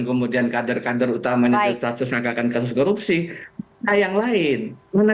kemudian kader kader utama yang berstatus mengakalkan kasus korupsi nah yang lain mana